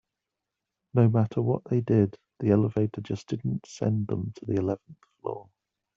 No matter what they did, the elevator just didn't send them to the eleventh floor.